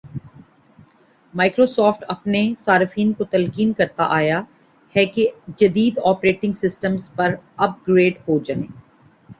Microsoft اپنے صارفین کو تلقین کرتا آیا ہے کہ جدید آپریٹنگ سسٹمز پر اپ گریڈ ہوجائیں